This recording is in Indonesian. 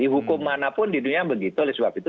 hukum mana pun di dunia begitu oleh sebab itu